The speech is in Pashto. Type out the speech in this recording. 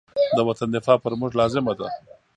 د وطن دفاع پر موږ لازمه ده.